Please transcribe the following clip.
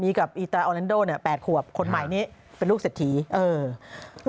กับอีตราออแนนโดเนี่ยแปดขวบคนใหม่นี้เป็นลูกเศรษฐีเออ